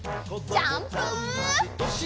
ジャンプ！